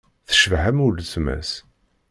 Tecbeḥ am weltma-s.